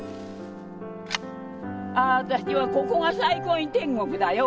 ああ私はここが最高に天国だよ